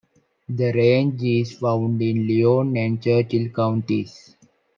The range is found in Lyon and Churchill Counties.